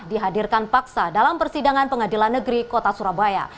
dihadirkan paksa dalam persidangan pengadilan negeri kota surabaya